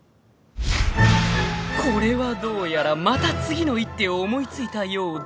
［これはどうやらまた次の一手を思い付いたようで］